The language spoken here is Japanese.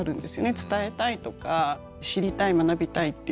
伝えたいとか知りたい学びたいっていう。